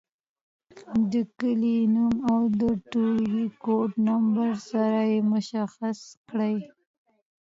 د کلي نوم او د ټولګي کوډ نمبر سره یې مشخص کړئ.